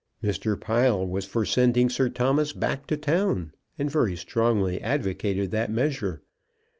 Mr. Pile was for sending Sir Thomas back to town, and very strongly advocated that measure.